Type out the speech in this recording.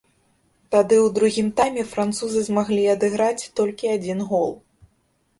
Тады ў другім тайме французы змаглі адыграць толькі адзін гол.